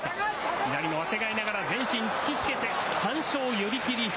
左もあてがいながら、全身突きつけて、完勝、寄り切り。